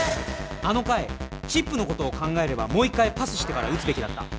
あの回チップのことを考えればもう１回パスしてから撃つべきだった。